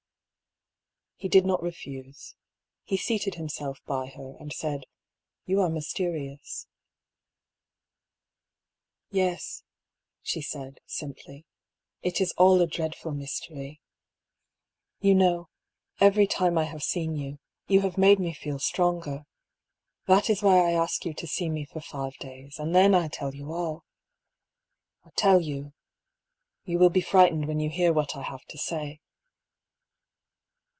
He did not refuse. He seated himself by her, and said: " You are mysterious." " Yes," she said, simply. " It is all a dreadful mys tery. You know, every time I have seen you, you have made me feel stronger. That is why I ask you to see me for five days, and then I tell you all ! I tell you — you will be frightened when you hear what I have to say!"